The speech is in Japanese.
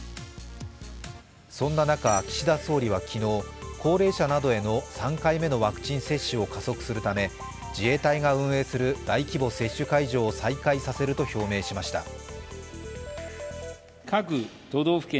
そんな中、岸田総理は昨日高齢者などへの３回目のワクチン接種を加速するため自衛隊が運営する大規模接種会場を再開させると表明しました。